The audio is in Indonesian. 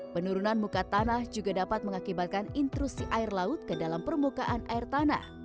penurunan muka tanah juga dapat mengakibatkan intrusi air laut ke dalam permukaan air tanah